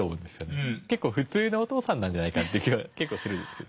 結構普通のお父さんなんじゃないかという気がします。